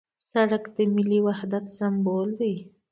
سړک د ملي وحدت سمبول دی.